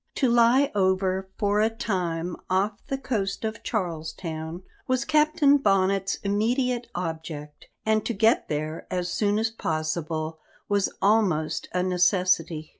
To lie over for a time off the coast of Charles Town was Captain Bonnet's immediate object, and to get there as soon as possible was almost a necessity.